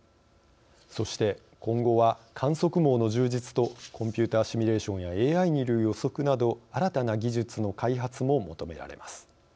そして、今後は観測網の充実とコンピューターシミュレーションやＡＩによる予測など新たな技術の開発も求められます。